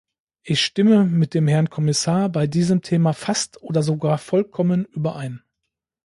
Ich stimme mit dem Herrn Kommissar bei diesem Thema fast, oder sogar vollkommen, überein.